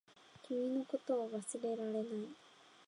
君のことを忘れられない